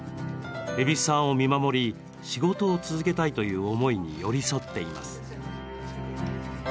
蛭子さんを見守り仕事を続けたいという思いに寄り添っています。